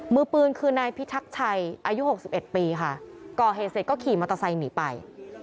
มือปืนคือนายพิทักชัยอายุ๖๑ปีค่ะก่อเหตุเสร็จก็ขี่มอเตอร์ไซค์หนีไป